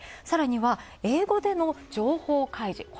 さらには英語での情報開示。